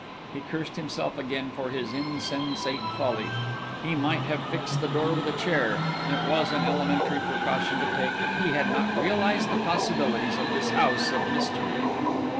He cursed himself again for his insensate folly; he might have fixed the door with a chair; it was an elementary precaution to take, but he had not realized the possibilities of this house of mystery.